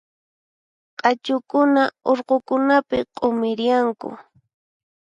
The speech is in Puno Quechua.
Q'achukuna urqukunapi q'umirianku.